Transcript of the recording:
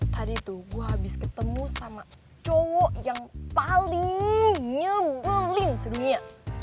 tadi tuh gue habis ketemu sama cowok yang paling nyebelin di dunia